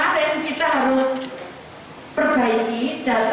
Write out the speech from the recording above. kami terus melakukan perbaikan di tks